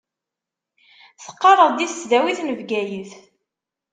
Teqqaṛeḍ di tesdawit n Bgayet.